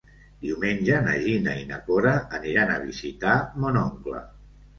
Diumenge na Gina i na Cora aniran a visitar mon oncle.